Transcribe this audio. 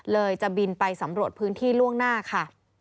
จะบินไปสำรวจพื้นที่ล่วงหน้าค่ะ